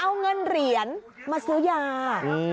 เอาเงินเหรียญมาซื้อยา